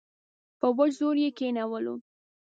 په وچ زور یې کښېنولو.